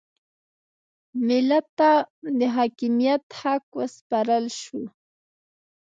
ملت ته د حاکمیت د حق سپارل وشو.